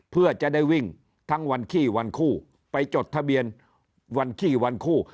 เพื่อจะได้วิ่งทั้งวันขี้วันคู่ไปจดทะเบียนวันขี้วันคู่